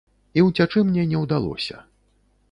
І ўцячы мне не ўдалося.